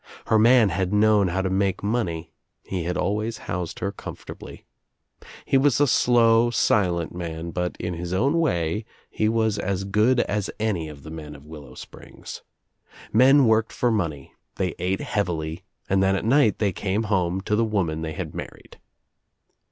Her man had known how to make money, he had always housed her comfortably. He was a slow, silent man but in his own way he was as good as any of the men of Willow Springs. Men worked for money, they ate heavily and then at night they came home to the woman they had married.